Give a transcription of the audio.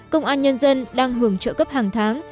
công an nhân dân đang hưởng trợ cấp hàng tháng